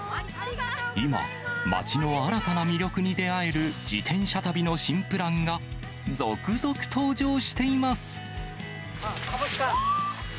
今、街の新たな魅力に出会える自転車旅の新プランが、続々登場していカモシカ。